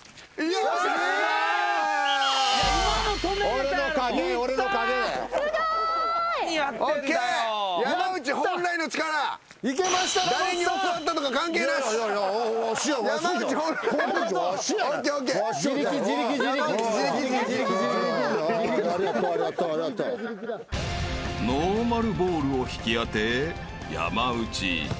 ［ノーマルボールを引き当て山内見事にゴール］